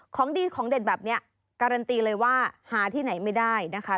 ของดีของเด็ดแบบนี้การันตีเลยว่าหาที่ไหนไม่ได้นะคะ